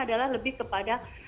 adalah lebih kepada